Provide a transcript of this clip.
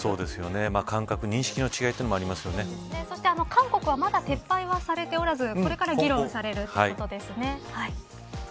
感覚や認識の違いも韓国は、まだ撤廃されておらずこれから議論されるということですね。